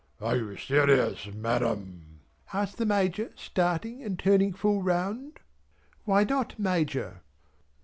"Are you serious Madam?" asked the Major starting and turning full round. "Why not Major?"